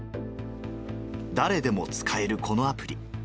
誰でも使えるこのアプリ。